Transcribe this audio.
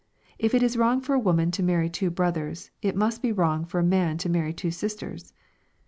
If it is wrong for a woman to marry two brothers, it must be wrong for a man to marry two sisters.